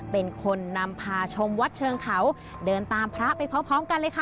เป็นคนนำพาชมวัดเชิงเขาเดินตามพระไปพร้อมพร้อมกันเลยค่ะ